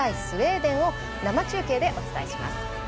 スウェーデンを生中継でお伝えします。